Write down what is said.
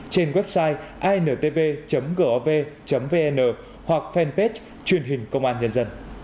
trên website intv gov vn hoặc fanpage truyền hình công an nhân dân